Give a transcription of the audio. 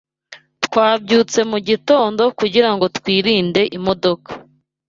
Twabyutse mugitondo kugirango twirinde imodoka.